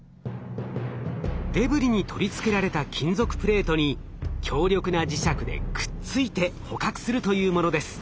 デブリに取り付けられた金属プレートに強力な磁石でくっついて捕獲するというものです。